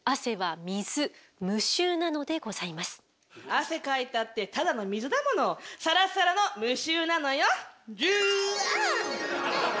汗かいたってただの水だものサラサラの無臭なのよ。